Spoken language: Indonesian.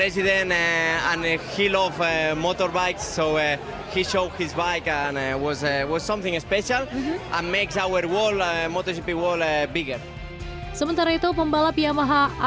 sementara itu pembalap yamaha